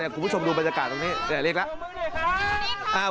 คุณผู้ชมดูบรรยากาศตรงนี้เรียกแล้ว